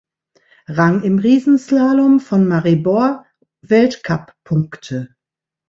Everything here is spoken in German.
Rang im Riesenslalom von Maribor Weltcuppunkte.